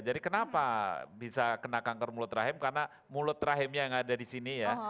jadi kenapa bisa kena kanker mulut rahim karena mulut rahimnya yang ada di sini ya